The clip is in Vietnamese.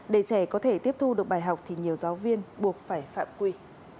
để trẻ có thể tiếp thu được bài học thì nhiều giáo viên buộc phải phạm quy